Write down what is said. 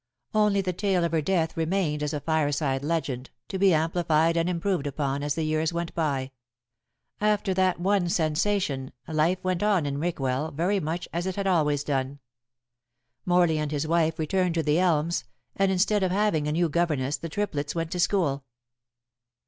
Only the tale of her death remained as a fireside legend, to be amplified and improved upon as the years went by. After that one sensation life went on in Rickwell very much as it had always done. Morley and his wife returned to The Elms, and instead of having a new governess the triplets went to school.